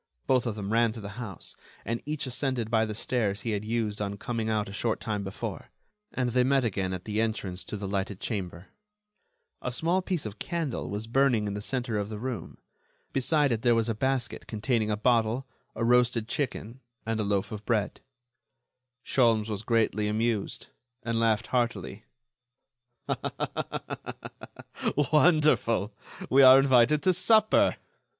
Both of them ran to the house, and each ascended by the stairs he had used on coming out a short time before, and they met again at the entrance to the lighted chamber. A small piece of a candle was burning in the center of the room. Beside it there was a basket containing a bottle, a roasted chicken, and a loaf of bread. Sholmes was greatly amused, and laughed heartily. "Wonderful! we are invited to supper.